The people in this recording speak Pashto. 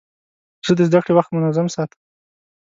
زه د زدهکړې وخت منظم ساتم.